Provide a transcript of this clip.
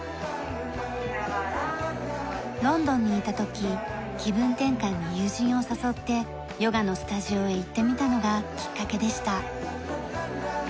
ロンドンにいた時気分転換に友人を誘ってヨガのスタジオへ行ってみたのがきっかけでした。